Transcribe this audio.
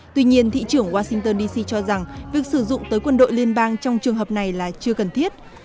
tuy nhiên thị trưởng washington d c cho rằng việc sử dụng tới quân đội liên bang trong trường hợp này là chưa cần thiết